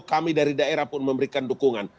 kami dari daerah pun memberikan dukungan